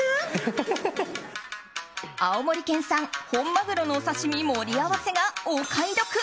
青森県産本マグロのお刺身盛り合わせがお買い得。